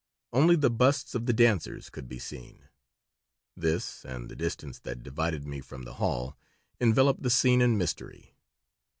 Only the busts of the dancers could be seen. This and the distance that divided me from the hall enveloped the scene in mystery.